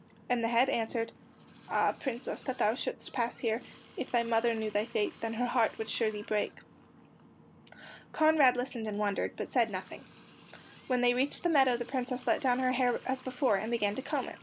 And the head answered: "Ah, Princess, that thou shouldst pass here! If thy mother knew thy fate, Then her heart would surely break." Conrad listened and wondered, but said nothing. When they reached the meadow the Princess let down her hair as before and began to comb it.